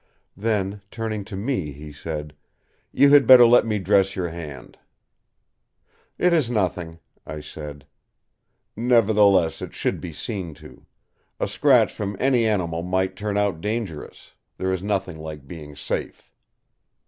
Then turning to me he said: "You had better let me dress your hand." "It is nothing," I said. "Nevertheless it should be seen to. A scratch from any animal might turn out dangerous; there is nothing like being safe."